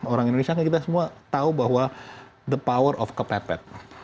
orang indonesia kita semua tahu bahwa the power of kepepet